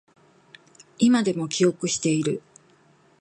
今でも記憶している